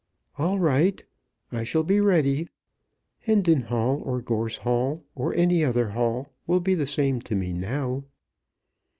"All right; I shall be ready. Hendon Hall or Gorse Hall, or any other Hall, will be the same to me now."